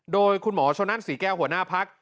โดยคุณหมอชนนั่นศรีแก้วหัวหน้าพัก